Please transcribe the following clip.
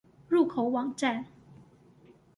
入口網站